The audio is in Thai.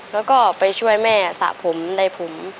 แล้วก็ไปช่วยแม่สระผมในผม